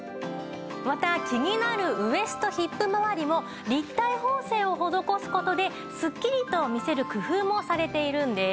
また気になるウエストヒップまわりも立体縫製を施す事でスッキリと見せる工夫もされているんです